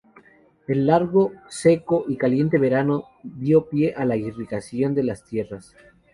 El largo, seco y caliente verano dio pie a la irrigación de las tierras.